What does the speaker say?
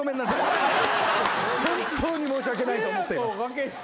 本当に申し訳ないと思っています。